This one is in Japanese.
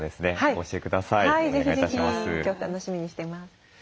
今日楽しみにしてます。